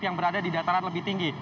yang berada di dataran lebih tinggi